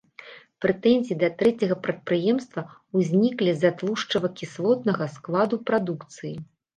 Прэтэнзіі да трэцяга прадпрыемства ўзніклі з-за тлушчава-кіслотнага складу прадукцыі.